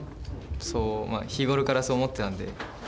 そう日頃からそう思ってたんで。